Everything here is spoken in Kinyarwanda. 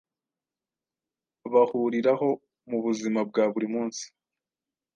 bahuriraho mu buzima bwa buri munsi